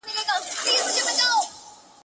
• له تارونو دي را وایستل تورونه -